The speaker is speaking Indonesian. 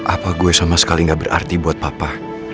apa gue sama sekali gak berarti buat papa